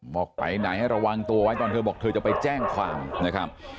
บอกไปไหนให้ระวังตัวไว้ตอนเธอบอกเธอจะไปแจ้งความนะครับ